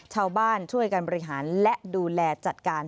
ชาวบ้านช่วยกันบริหารและดูแลจัดการ